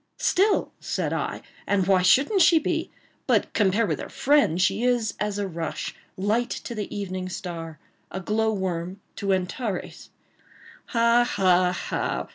"Still!" said I, "and why shouldn't she be? But compared with her friend she is as a rush light to the evening star—a glow worm to Antares." "Ha! ha!